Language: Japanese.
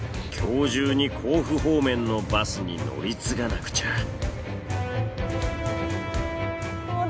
今日中に甲府方面のバスに乗り継がなくちゃ。